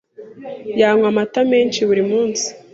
Yanywa amata menshi buri munsi.